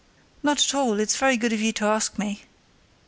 "Not at all; it's very good of you to ask me."